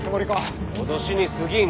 脅しにすぎん。